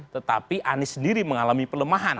tetapi anies sendiri mengalami pelemahan